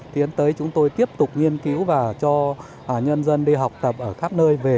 tiến tới chúng tôi tiếp tục nghiên cứu và cho nhân dân đi học tập ở khắp nơi về